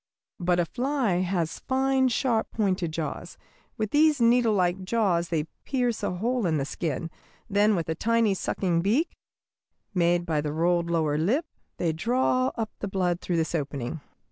But a fly has fine, sharp pointed jaws. With these needlelike jaws they pierce a hole in the skin, then with a tiny sucking beak, made by the rolled lower lip, they draw up the blood through this opening."